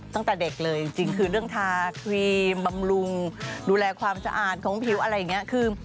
ตั้งแต่เด็กเลยจริงคือเรื่องทาครีมบำรุงดูแลความสะอาดของผิวอะไรอย่างนี้คือ